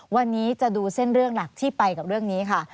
วันนี้จะดูเส้นเรื่องหลักที่ไปกับเรื่องนี้ค่ะ